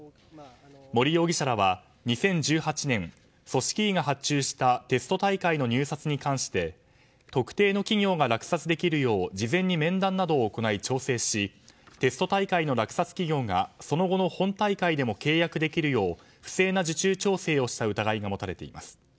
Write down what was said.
森容疑者らは２０１８年組織委が発注したテスト大会の入札に関して特定の企業が落札できるよう事前に面談などを行い調整しテスト大会の落札企業がその後の本大会でも契約できるよう不正な受注調整をした疑いが持たれています。